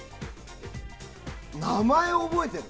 名前、覚えてる。